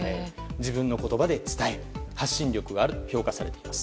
自分の言葉で伝える発信力があると評価されています。